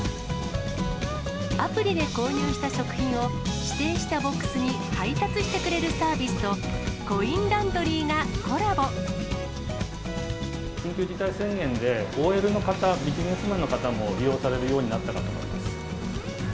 アプリで購入した食品を、指定したボックスに配達してくれるサービスと、コインランドリー緊急事態宣言で、ＯＬの方、ビジネスマンの方も利用されるようになったかと思います。